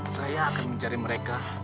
saya akan mencari mereka